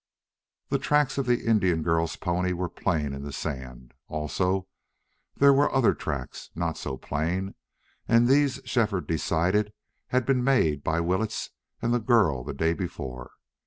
The tracks of the Indian girl's pony were plain in the sand. Also there were other tracks, not so plain, and these Shefford decided had been made by Willetts and the girl the day before.